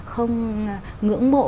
không ngưỡng mộ